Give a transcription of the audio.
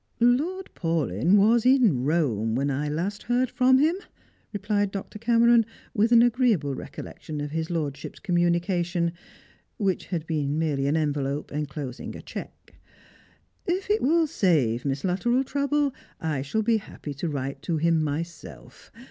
" Lord Paulyn was in Rome when I last heard from him," re plied Dr. Cameron, with an agreeable recollection of his lordship's communication, which had been merely an envelope enclosing a cheque. " If it will save Miss Luttrell trouble, I shall be happy to write to him myself.